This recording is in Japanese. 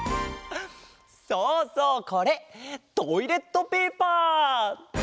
そうそうこれトイレットペーパー！